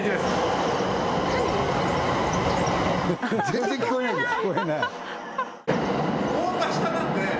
全然聞こえないじゃん